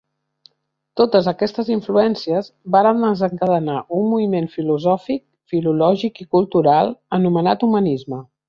Totes aquestes influències varen desencadenar un moviment filosòfic, filològic i cultural anomenat humanisme.